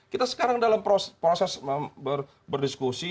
kita sekarang dalam proses berdiskusi